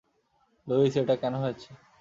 Luis, এটা কেন হয়েছে?